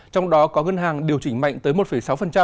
trong đó có ngân hàng điều chỉnh mạnh tới một sáu